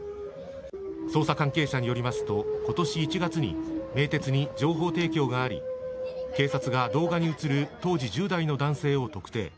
捜査関係者によりますと、ことし１月に、名鉄に情報提供があり、警察が動画に映る当時１０代の男性を特定。